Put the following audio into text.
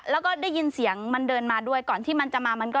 แล้วก็ได้ยินเสียงมันเดินมาด้วยก่อนที่มันจะมามันก็